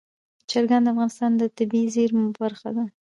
چرګان د افغانستان د طبیعي زیرمو برخه ده.